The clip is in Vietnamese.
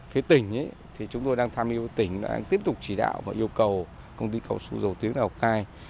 phía tỉnh chúng tôi đang tham dự tỉnh tiếp tục chỉ đạo và yêu cầu công ty cao su dầu tiếng lào cai